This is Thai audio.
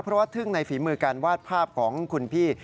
เพราะว่าทึ่งในฝีมือการวาดภาพของคุณพี่